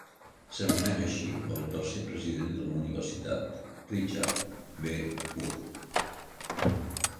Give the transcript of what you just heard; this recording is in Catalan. S'anomena així pel tercer president de la universitat, Richard V. Moore.